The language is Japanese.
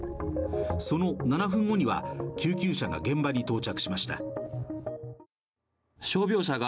その７分後には救急車が現場に到着しました。